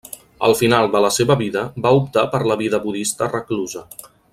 Al final de la seva vida, va optar per la vida budista reclusa.